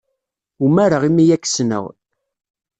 Umareɣ imi ay k-ssneɣ.